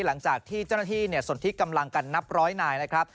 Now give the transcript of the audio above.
หลังจากที่เจ้าหน้าที่สนที่กำลังกันนับร้อยนายนะครับ